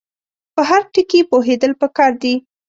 په هر ټکي پوهېدل پکار دي.